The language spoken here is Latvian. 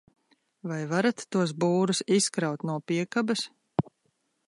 Vai varat tos būrus izkraut no piekabes?